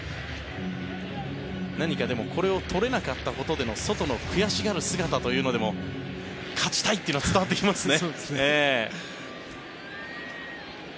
何かでもこれをとれなかったことでのソトの悔しがり方でも勝ちたいっていうのが伝わってきますね。